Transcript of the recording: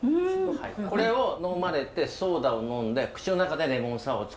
はいこれを呑まれてソーダを飲んで口の中でレモンサワーを作ってください。